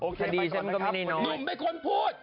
คดีฉันก็ไม่แน่นอนหนุ่มเป็นคนพูด